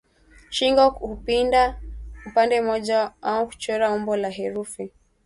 Shingo hupinda upande mmoja au kuchora umbo la herufi